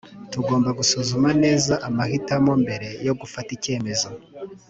tugomba gusuzuma neza amahitamo mbere yo gufata icyemezo